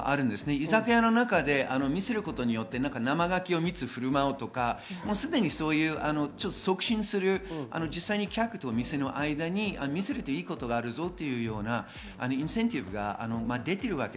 居酒屋の中で見せることで生ガキを３つ振る舞うとか、すでに促進する、客と店の間に見せると良いことがあるぞというようなインセンティブが出ています。